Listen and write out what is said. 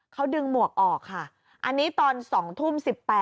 เขาดึงหมวกออกค่ะอันนี้ตอน๒ทุ่ม๑๘